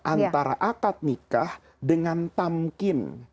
antara akad nikah dengan tamkin